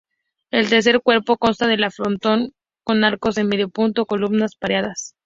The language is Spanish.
El tercer cuerpo consta de un frontón con arcos de medio punto, columnas pareadas.